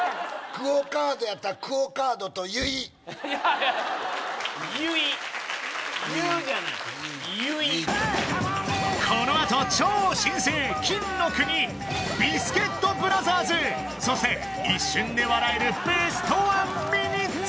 ＱＵＯカードやったらＱＵＯカードと言い「言い」言うじゃない「言い」言いとこのあと超新星金の国ビスケットブラザーズそして一瞬で笑えるベストワンミニッツ